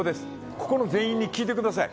ここの全員に聞いてください。